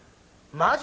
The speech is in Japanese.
「マジ⁉」